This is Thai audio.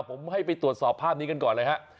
ผมให้ไปตรวจสอบภาพนี้กันก่อนเลยฮะ